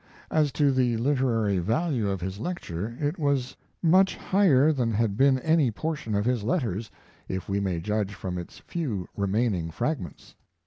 As to the literary value of his lecture, it was much higher than had, been any portion of his letters, if we may judge from its few remaining fragments.